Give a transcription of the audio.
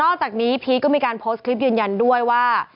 จากนี้พีชก็มีการโพสต์คลิปยืนยันด้วยว่า